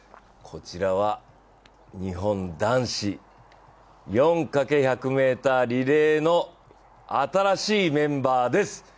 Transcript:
こちらは日本男子４×１００ｍリレーの新しいメンバーです。